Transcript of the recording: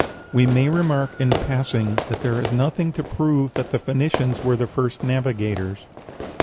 We may remark, in passing, that there is nothing to prove that the Phoenicians were the first navigators.